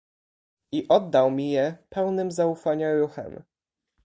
"I oddał mi je pełnym zaufania ruchem."